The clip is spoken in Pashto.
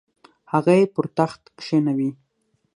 هغه یې پر تخت کښینوي.